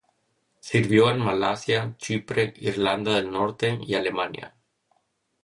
Sirvió en Malasia, Chipre, Irlanda del Norte y Alemania.